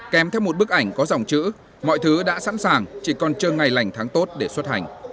kèm theo một bức ảnh có dòng chữ mọi thứ đã sẵn sàng chỉ còn chờ ngày lành tháng tốt để xuất hành